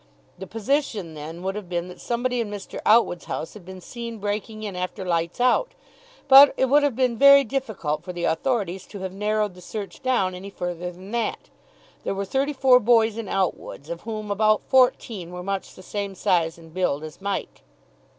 The position then would have been that somebody in Mr. Outwood's house had been seen breaking in after lights out; but it would have been very difficult for the authorities to have narrowed the search down any further than that. There were thirty four boys in Outwood's, of whom about fourteen were much the same size and build as Mike.